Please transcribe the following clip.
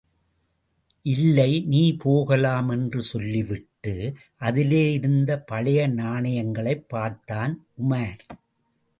இல்லை நீ போகலாம் என்று சொல்லிவிட்டு, அதிலே இருந்த பழைய நாணயங்களைப் பார்த்தான், உமார்.